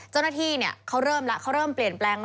เจ้าหน้าที่เขาเริ่มแล้วเขาเริ่มเปลี่ยนแปลง